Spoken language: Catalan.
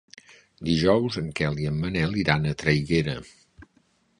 Dijous en Quel i en Manel iran a Traiguera.